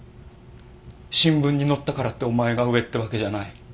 新聞に載ったからってお前が上ってわけじゃない。